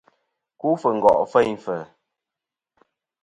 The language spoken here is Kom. Ku fɨ ngo' feyn fɨ̀.